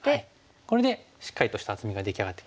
これでしっかりとした厚みが出来上がってきましたね。